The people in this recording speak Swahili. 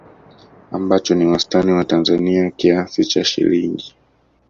ambacho ni wastani wa Tanzania kiasi cha shilingi